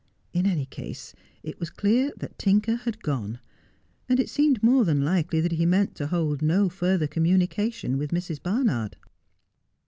In any case it was clear that Tinker had gone ; and it seemed more than likely that he meant to hold no further communication with Airs. Barnard.